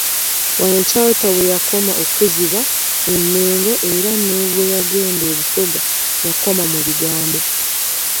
Wano Chalter weyakoma okkuzibwa e Mengo era ne bwe yagenda e Busoga yakoma mu bigambo.